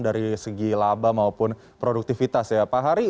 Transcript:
dari segi laba maupun produktivitas ya pak hari